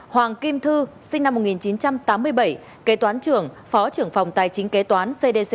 hoàng kim thư sinh năm một nghìn chín trăm tám mươi bảy kế toán trưởng phó trưởng phòng tài chính kế toán cdc